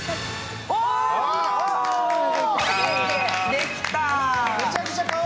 できたー。